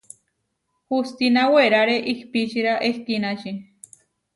Hustína weráre ihpičira ehkínači.